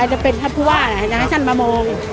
ใครจะเป็นท่านผู้ว่าให้ฉันมามอง